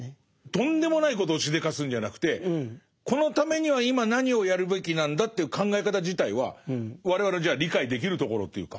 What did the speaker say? とんでもないことをしでかすんじゃなくてこのためには今何をやるべきなんだという考え方自体は我々じゃあ理解できるところというか。